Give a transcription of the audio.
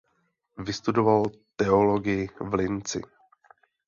Vystudoval teologii v Linci.